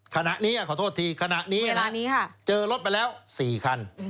ขณะนี้ขอโทษทีขณะนี้นะเจอรถไปแล้ว๔คัน